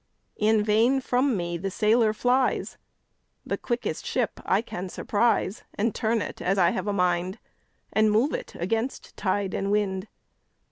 In vain from me the sailor flies, The quickest ship I can surprise, And turn it as I have a mind, And move it against tide and wind.